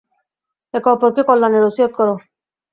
একে অপরকে কল্যাণের অসীয়ত কর।